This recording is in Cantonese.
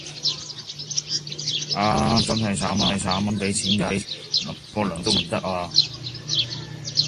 唉，真係慘呀，我有份俾錢㗎，蒞沖個涼都唔得呀